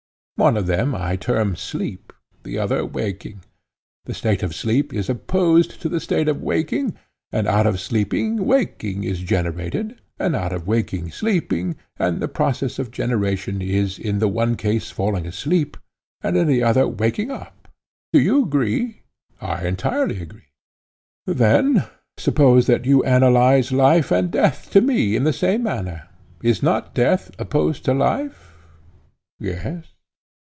One of them I term sleep, the other waking. The state of sleep is opposed to the state of waking, and out of sleeping waking is generated, and out of waking, sleeping; and the process of generation is in the one case falling asleep, and in the other waking up. Do you agree? I entirely agree. Then, suppose that you analyze life and death to me in the same manner. Is not death opposed to life? Yes.